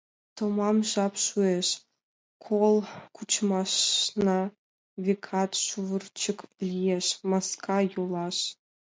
Томам жап шуэш; кол кучымашна, векат, шувырчык лиеш, маска йолаш.